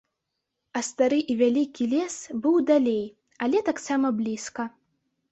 А стары і вялікі лес быў далей, але таксама блізка.